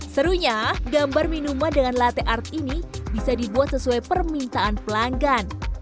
serunya gambar minuman dengan latte art ini bisa dibuat sesuai permintaan pelanggan